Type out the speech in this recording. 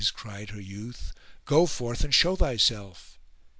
cried her youth, "go forth and show thyself!"